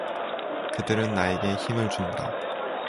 그들은 나에게 힘을 준다.